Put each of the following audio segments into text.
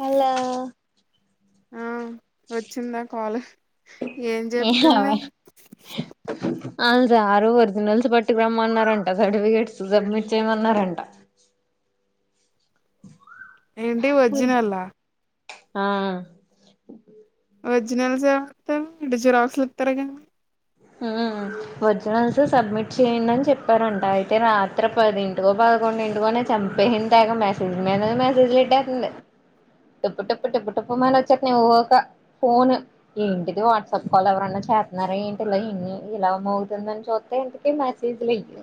మల్లా ఆ వచ్చింద కాలు ఏం చెప్తుం [unintelligible] అళ్ళు రారు ఒరిజినల్స్ పట్టుకు రమ్మ అన్నారంట సర్టిఫికేట్స్ సబ్మిట్ చేయమన్నారంట ఏంటి ఒర్జినల్లా ఆ ఒరిజినల్స్ ఏవరితారు [unintelligible] జిరాక్స్లుతారు గానీ ఒరిజినల్స్ సబ్మిట్ చేయండి చెప్పారంట అయితే రాత్రి పదింటికో పడుకోం [inaudible] చంపేయింది తేగ మెసేజ్ మీద మెసేజ్లు ట్టేసింది టప్పు టప్పు టప్పు టప్పు మని వచేస్తున్నాయ్ ఓ ఒక ఫోన్ ఏంటిది వాట్సాప్ కాల్ ఎవరన్నా చేతున్నారా ఏంటి ని ఇలా మోగుతుందని చుస్తే ఇంతకి నా చేతులో ఎ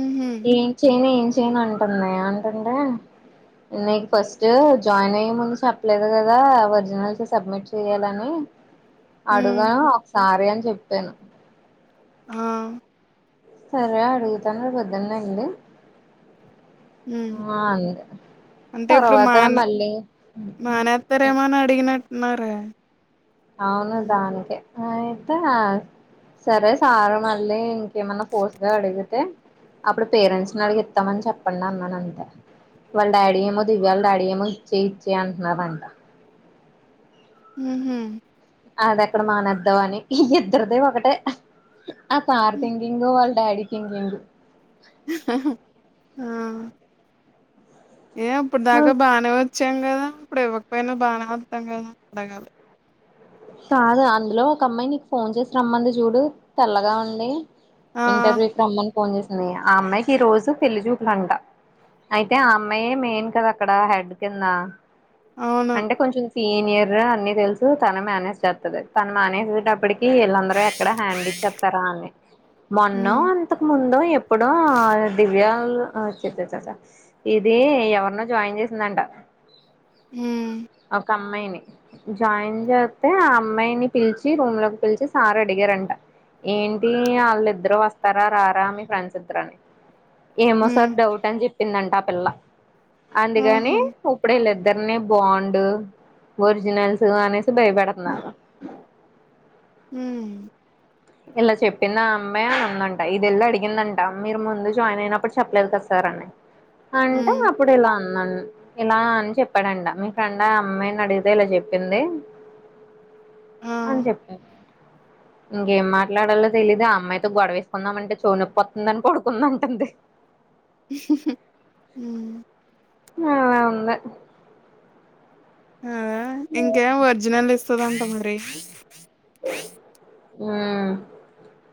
ఉహు ఏం చేయను ఏం చేయను అంటుంది అంటుంటే నీకు ఫస్ట్ జాయిన్ అయ్యే ముందు చెప్పలేదు కదా ఒరిజినల్స్ సబ్మిట్ చేయ్యాలని ఉ అడుగా ఒకసారి అని చెప్పాను ఆ సరే అడుగుతాను [unintelligible] ఉ [unintelligible] అంటే ఇప్పుడు తర్వాత మాన మళ్ళీ మానేత్తారేమోని అడిగినట్టున్నారే అవును దానికే అయితే సరే సారు మళ్ళీ ఇంకేమన్నా ఫోర్స్ గా అడిగితే అప్పుడు పేరెంట్స్ ని అడిగి ఇస్తామని చెప్పండి అన్నాడు అంతే వాళ్ళ డాడీ ఏమో దివ్య వాళ్ళ డాడీ ఏమో ఇచ్చే ఇచ్చే అంటున్నారంట ఉ హు అది అక్కడ మానేదమని ఇద్దరిది ఒకటే ఆ సార్ థింకింగ్ వాళ్ళు డాడి థింకింగు ఆ ఏ ఇప్పుడు దాక బాగనే వచ్చాం కదా ఇప్పుడు ఇవ్వకపోయినా బానే వస్తాం కదా అడగాలి కాదు అందులో ఒక అమ్మాయి నీకు ఫోన్ చేసి రమ్మంది చూడు తెల్లగా ఉంది ఆ ఇంటర్వ్యూకి రమ్మని ఫోన్ చేసింది ఆ అమ్మాయికి ఈ రోజు పెళ్లి చూపులంట అయితే ఆ అమ్మాయే మెయిన్ కదా అక్కడ హెడ్ కింద అవును అంటే కొంచెం సీనియర్ అన్ని తెలుసు తన మేనేజ్ చేస్తది తను మనేజ్టప్పటికి వీళ్ళందరూ ఎక్కడ హ్యాండ్ ఇచేస్తారా అని ఉ మొన్నో అంతకు ముందో ఎప్పుడో ఆ దివ్య చా చ చ ఇది ఎవరినో జాయిన్ చేసిందంట ఉ ఒక అమ్మాయిని జాయిన్ చే అయితే ఆ అమ్మాయిని పిలిచి రూమ్ లోకి పిలిచి సారు అడిగారంట ఏంటి వాళ్ళు ఇద్దరు వస్తార రారా మీ ఫ్రెండ్స్ ఇద్దరుఅని ఏమో ఉ సార్ డౌట్ అని చెప్పిందంట ఆ పిల్ల అందుకని ఆహా ఇప్పుడే [unintelligible] ఇద్దర్ని బాన్డ్ ఒరిజినల్స్ అనేసి బయటపెడ్తునారు ఉ ఇలా చెప్పింది అమ్మాయి అని అందంట ఇది వెళ్ళి అడిగిందంట మీరు ముందు జాయిన్ అయినప్పుడు చెప్పలేదు కదా సార్ ఉ అంటే అప్పుడు ఇల ఇలా అని చెప్పాడంట మీ ఫ్రెండ్ ఆ అమ్మాయిని అడిగితే ఇలా చెప్పింది ఆ అని చెప్పి ఇంకేం మాట్లాడాలో తెలియదు ఆ అమ్మాయితో గొడవేసుకుందామంటే చెవిన్నోపేతుందని పడుకున్న అంటుంది మ్మ్ అ ఉంది అ ఇంకేం ఒరిజినల్ ఇస్తదంటా మరి మ్మ్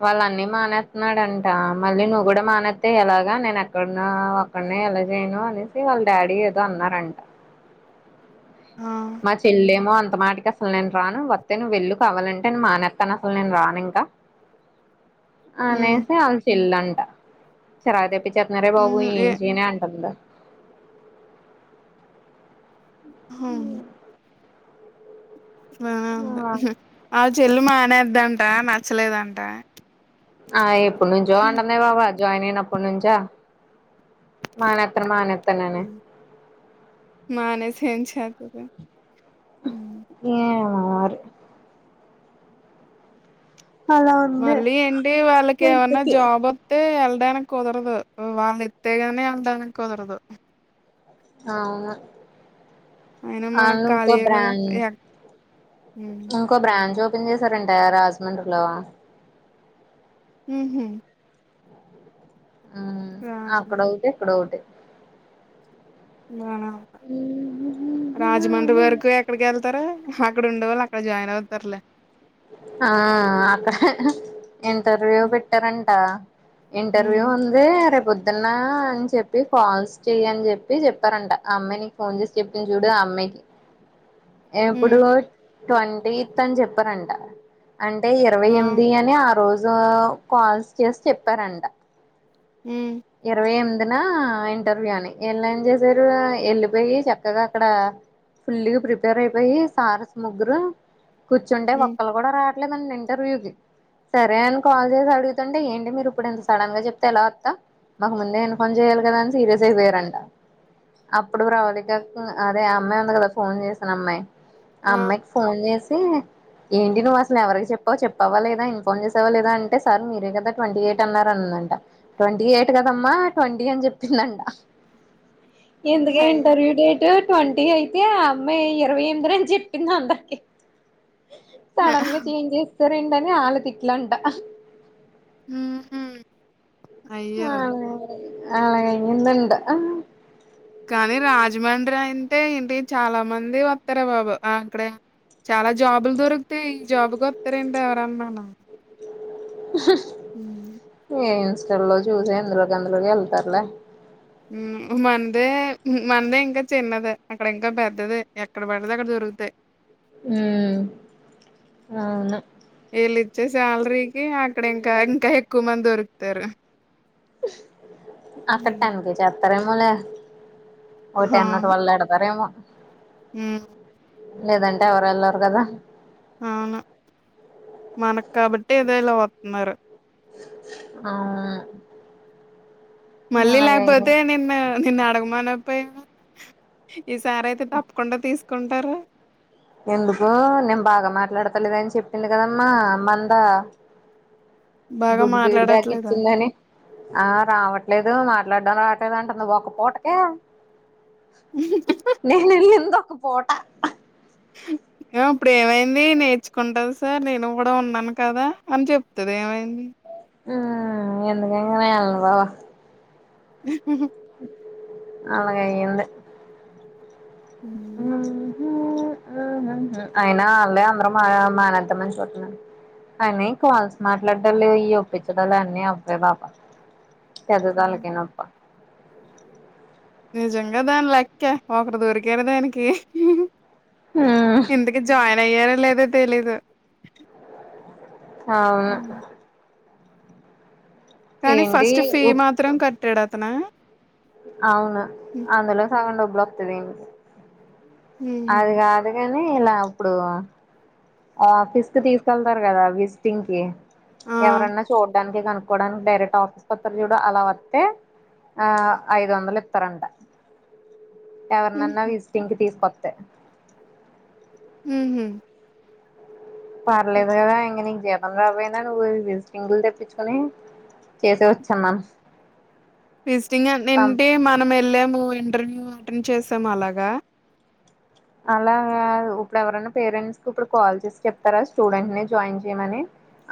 వాళ్ళ అన్ని మానేస్తున్నాడంట మళ్ళీ నువ్వు కూడా మానేతే ఎలాగా నేను ఎక్కడన్నా ఒక్కడినే ఎలా చేయను అనేసి వాళ్ళ డాడీ ఏదో అన్నారంట ఆ మా చెల్లలేమో అంత మాటికి అసలు నేను రాను వస్తే నువ్వు వెళ్ళు కావాలంటే మానెస్తను అసలు నేను రాను ఇంకా ఉమ్ అనేసే అళ చెల్లంట చిరాక్ తెప్ చెప్తున్నారే బాబు ఉహు ఏ ఏంచయనే అంటుంది మ్మ్ ఆ ఆ చెల్లు మానేద్దంట నచ్చలేదంట ఆ ఎప్పుడు నుంచో అంటందె బాబు అ జాయిన్ అయినప్పుడు నుంచా మానేత్ర మానేత్ర మానేసి ఏం చెత్తది ఆరు అలా ఉంది మళ్ళీ ఏంటి వాళ్ళకి ఏమన్నా జాబ్ వస్తే డానికి కుదరదు వాళ్ళ ఎస్తతేగానే వేలడానికి కుదరదు అవును అయినా మనకు అలు ఇంకో ఖాళీయే కదా బ్రాడ్ ఎక్ ఇకో బ్రాంచ ఓపెన్ చేసారంటే రాజమండ్రిలో హ్మ్ మ్మ్ అక్కడ రాజమండ్రి ఒకటి ఇక్కడ ఒకటి బనా రాజమండ్రి వరకు ఎక్కడికి వెళ్తారు అక్కడ ఉండేళ్ అక్కడ జాయిన్ అవుతారులే ఆ అక్కడ ఇంటర్వ్యూ పెట్టారంట ఇంటర్వ్యూ ఉమ్ ఉంది రేపోద్దు డున్నా అని చెప్పి కాల్స్ చెయ్యి అని చెప్పి చెప్పారంట అమ్మాయి నీకు ఫోన్ చేసి చెప్పిన చూడు ఆ అమ్మాయికి ఉమ్ ఇప్పుడు ట్వంటీత్ అని చెప్పారంట అంటే ఇరవై ఆ ఎనిమిది అని ఆ రోజు కాల్స్ చేసి చెప్పారంట హ్మ్ ఇరవై ఎనిమి అదనా ఇంటర్వ్యూ అని ఎళ్ళ ఏం చేసారు ఎళ్ళిపోయి చక్కగా అక్కడ ఫుల్లి ప్రిపేర్ అయిపోయి సారస ముగగురు కూర్చుంటే హ్మ్. రావట్లేద్ అంటా ఇంటర్వ్యూకి సరే అని కాల్ చేసి అడుగుతుంటే ఏంటి మీరు ఇప్పుడు ఇంత సడన్ గా చెప్తే ఎలా వస్తా మాకు ముందే ఇన్ఫోమ్ చేయాలి కదా అని సీరియస్ అయిపోయారంట అప్పుడు ప్రవళిక అదే అమ్మాయి ఉంది కదా ఫోన్ చేసిన అమ్మాయి ఆ! అమ్మాయికి ఫోన్ చేసి ఏంటి నువ్వు అసలు ఎవరికి చెప్పావు చెప్పవవా లేదా ఇన్ఫార్మ్ చేసావా లేదా అంటే సార్ మీరే కదా ట్వంటీ ఎయిట్ అన్నారు అనింది ట్వంటీ ఎయిట్ కదమ్మా ట్వంటీ అని చెప్పిందంటా ఎందుకే హాయ్. ఇంటర్వ్యూ డేట్ ట్వంటీ అయితే ఆ అమ్మాయి ఇరవై ఎనిమిది అని చెప్పింది అందరికి సడన్ గా చేంజ్ చేస్తారండి అని ఆళ తిట్లంట మ్మ్ హ్మ్ ఆ ఆలాగైందంట ఆ కానీ రాజమండ్రి అయింటే ఏంటి చాలా మంది వస్తారా బాబు అక్కడే చాలా జాబులు దొరికుతాయి ఈ జాబుకు వస్తారెంటి ఎవరన్నాను హ ఇన్స్టా లో చూసే అందులోకి అందులోకి వెళ్తారులే మనదే మనదే ఇంకా చిన్నదే, అక్కడ ఇంకా పెద్దదే, ఎక్కడ పడితే అక్కడ దొరుకుతాయ్. ఉహ్ అవును వచ్చే సాలరీకి అక్కడ ఇంకా ఇంకా ఎక్కువ మంది దొరుకుతారు. హ్మ్. అకట్టానికి చెత్రమోనే ఓ టెన్ టవ్వేల్ ఎడతారేమో ఉహ్ లేదంటే ఎవర్ ఏళ్లర్ గదా అవును మనకు కాబట్టి ఏదో ఇలా వంతున్నారు. అవు మళ్ళీ లేకపోతే నీను నిన్ను అడగమన్నా పోయిరు. ఈ సారి అయితే తప్పకుండా తీసుకుంటారో ఎందుకు నేన్ బాగా మాట్లాడతలేద్ అని చెప్పింది కదమ్మా మందా బాగా గుడ్ బిడ్ మాట్లాడట్లేదా దగిచ్చిందని. ఆ రావట్లేదు, మాట్లాడడం రావట్లేదు, అంటుంది ఒక పూటకే. నేహిలిలిందా ఒక పోట ఎవ్ ఇప్పుడు ఏమైంది నేర్చుకుంటది సార్, నేను కూడా ఉన్నాను, కదా అని చెప్తుంది ఏవైంది. హు ఎందుక్ ఇంగా ఏళ్లన్ గదా హుహ్ అలాగైది హ్మ్. నాహో ఓ అయినా అళ్ళే అందరు మా మన ఎంతమందితోని ఉన్నారు. అని కాల్స్ మాట్లాడట లేవ్ ఈ ఒప్పించడాలు అన్నీ అబ్బే బాబా పెద్ద హ్మ్. దళ్క్ ఇనొప్పా నిజంగా దాని లెక్క ఒకడు దొరికారు దానికి ఇంతకీ జాయిన్ అయ్యారో లేదో తెలీదు. అవును హ్మ్. కానీ ఏంటి ఫస్ట్ ఫీ ఉప్పు మాత్రం కట్టాడ్ అతను అవును అందులో సగం డబ్బులు వత్తాది ఇనికి హుహు. అది గాదు గాని ఇలా అప్పుడు ఆ ఫిస్క్ తీసుకెళ్తారు కదా విజటింగ్ కి ఆ ఎవరన్నా చూడాన్ చే కనుక్కకోవడానికి డైరెక్ట్ ఆఫీస్క్ వత్తారు చూడు అలా వస్తే ఆ ఐదు వందలు ఇత్తరట ఎవరినన్నా విజిటింగ్ కి తీసుకొత్ ఉహూహ్ పర్లేదు గాదా ఇంగాని జీపం రాబోయినా నువ్వు విజిటింగులు తెప్పించుకుని చేసే వచ్చన్నాన్. విజిటింగ్ అన్ ఏంటే మనం వెళ్ళాము ఇంటర్వ్యూ అటెండ్ చేసాము అలాగా అలా గాదు ఇప్పుడు ఎవరనా పేరెంట్స్కి ఇప్పుడు కాల్ చేసి చెప్తారా. స్టూడెంట్నీ జాయిన్ చేయమని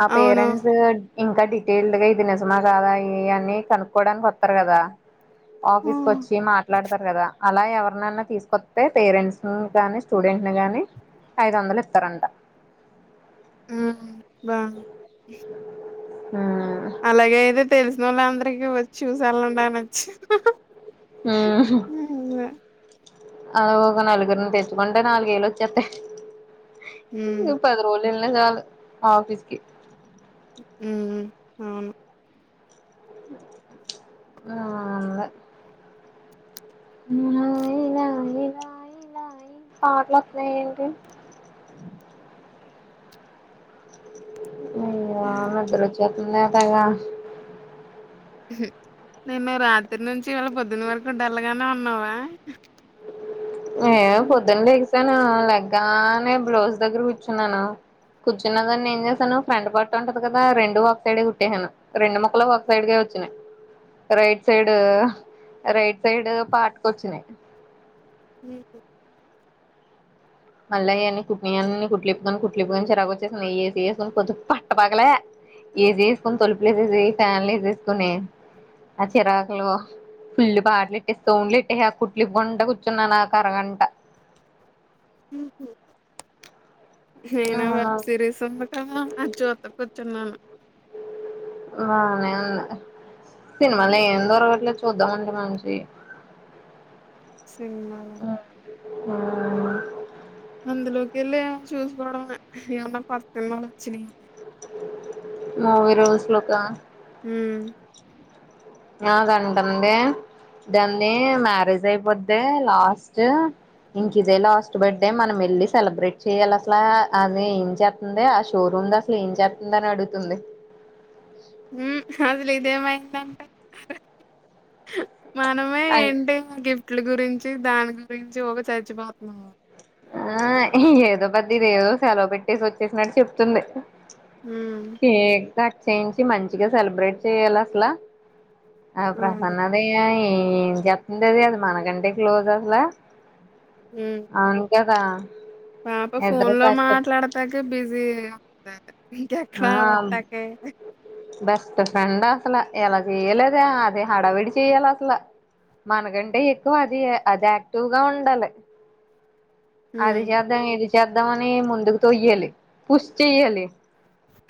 ఆ అవును పేరెంట్స్ హోడ్ ఇంకా డీటెయిల్డ్ గా, ఇది నిజమా కాదా ఇయ్ అని కనుక్కోవడానికి వత్తారు కదా. ఆఫీస్క్ ఆ! వచ్చి మాట్లాడతారు కదా, అలా ఎవరినైనా తీసుకొతే పేరెంట్స్ నువ్ గాని, స్టూడెంట్ని గాని, ఐదు వందలు ఇంతరంట. హు బాను హుహ్ ఉమ్ అలాగైతే తెలిసినోళ్లు అందరికిీ వ చూస్ ఏళ్ళండ్ అనొచ్చు. ఇంగా ఆ ఒక నలుగురిని తెచ్చుకుంటే నాలుగు వేలు వచ్చేతాయ్. హ్మ్. ఇంగ్ పది రోల్ ఏళ్లగాలు ఆఫీస్కి ఉహూహ్ అవును నాదే మూలాయి లాయి లాయి లాయి లాయి పెట్లోతునాయేంటి. [inaudible] అయ్యా నిద్రవచిస్తుంది నేను రాత్రి నుంచి మళ్ళ పొద్దున్న వరకు ండ డల్ గా వినవా ఏ పొద్దున్న లేగిసాను లె్గా అనే బ్లౌజ్ దగ్గర కూర్చున్నాను కూర్చున్న దాన్నన్ని ఏం చేసాను ఫ్రండ్ పట్టు ఉంటది కదా రెండు వక్ సైడ్ కుట్టేేశాను రెండు మక్కల ఒక side right side right side పాట్క వచ్చినాయి [inaudible] మళ్ళ అవి కుట్న అన్న నీ కుట్లులిిప్పుకొని కుట్లిప్పుకొని చిరగగా వచ్చేసి నేసిేసుకని కొద్ది పట్టపక్కలే తలుపులు తొలుపులుసి ఫ్యామిలీ ఆ చిరాకులు ఫుల్లి పాటలు పెట్టే సౌండ్లు పెట్టే ఆ కుట్లు ఇంట కూర్చున్నానుకు అరగంట హహ నేనా వెబ్ సిరీస్ ఉంది కదా అ జుత కూర్చున్నాను అన్న హ్మ్. సినిమలో ఆమె లైవ్ [unintelligible] సినిమాద ఆ అందులోకి వెళ్ళి చూసుకోవడం ఏమన్నా కొత్త సినిమా వచ్చినాయి మూవీ రూల్స్ హ ఆ కంటంటే [unintelligible] మ్యారేజ్ అయిపోద్ది లాస్ట్ ఇంక ఇదేలా లాస్ట్ బర్త్డే మనం వెళ్ళి సెలబ్రేట్ చెయ్యాలి అసలా అది ఏం చేస్తుంది ఆ షోరూమ్ ఉంది అసలు ఏం చేస్తుందని అడుగుతుంది [unintelligible] మనమే ఆ ఏంటి గిఫ్ట్ల గురించి దాని గురించి ఒక చచ్చిపోతున్నాము ఆ ఏదో పేద ఇది ఏదో సెలవు పెట్టేసి వచ్చేసినట్టు చెప్తుంది అ కేక్ కట్ చేయించి మంచిగా సెలబ్రేట్ చెయాలి అసలా ఆ అవును. ప్రసన్నత ఏం చెప్పంది అది అది మనకంటే క్లోజ్ అసలా హ ఇకా పాప ఫోన్ లో మాట్లాడతాక బిజీ ఇంకా ఎక్కడ ఆ వస్తాయి బెస్ట్ ఫ్రెండ్స్ అసలు ఎలా చెయలేద అదే హడావిడి చెయ్యాల అసలు మనకంటే ఎక్కువ అది అది యాక్టివ్గా ఉండాలి హ్మ్. అది చేద్దాం ఇది చేద్దాం అని ముందుకుతీయాలి పూష్ చెయ్యాలి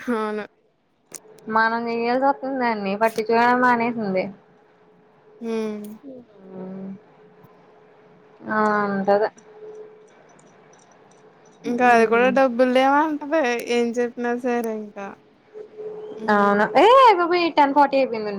అవును మనం చెయయాల్సి వస్తుంది అాన్నన్ని పట్టి చూడడం మానేసింది హ్మ్. ఉ ఆ హ్మ్. అంతదే ఇంకా అది కూడా డబ్బులు ఏమంటది ఏం చెప్పినా సరే ఇంకా హ్మ్. అవునా ఏ అ పోయి టెన్ ఫోటీ అయిపో